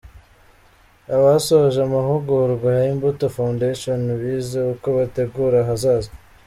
Abasoje amahugurwa ya Imbuto Foundation bize uko bategura ahazaza